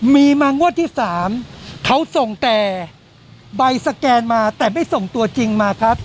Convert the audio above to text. มีมางวดที่๓เขาส่งแต่ใบสแกนมาแต่ไม่ส่งตัวจริงมาครับ